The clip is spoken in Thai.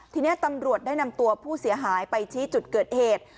ทีนี้ตำรวจได้นำตัวผู้เสียหายไปชี้จุดเกิดเหตุ